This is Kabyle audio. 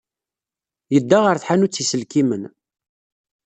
Yedda ɣer tḥanut n yiselkimen.